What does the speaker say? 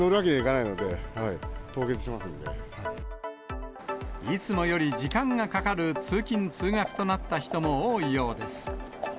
いつもより時間がかかる通勤・通学となった人も多いようです。